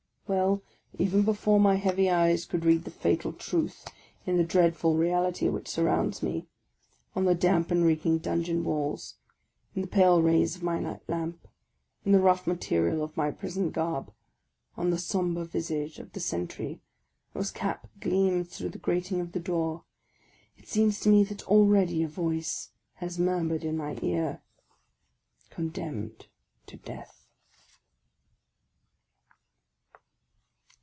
" Well, even before my heavy eyes could read the fatal truth in the dreadful reality which surrounds me, — on the damp and reeking dungeon walls, in the pale rays of my night lamp, in the rough material of my prison garb, on the sombre visage of the sentry, whose cap gleams through the grating of the door, — it seems to me that already a voice has murmured in my ear, —" Condemned to death!